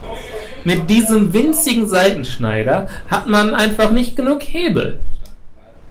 Mit diesem winzigen Seitenschneider hat man einfach nicht genug Hebel.